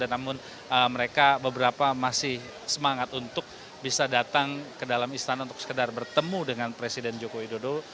dan namun mereka beberapa masih semangat untuk bisa datang ke dalam istana untuk sekedar bertemu dengan presiden joko widodo